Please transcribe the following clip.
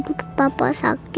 kyuhyun ke masak